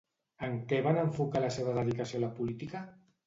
En què van enfocar la seva dedicació a la política?